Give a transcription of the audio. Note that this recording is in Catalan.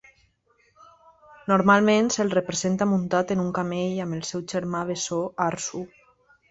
Normalment se'l representa muntat en un camell amb el seu germà bessó Arsu.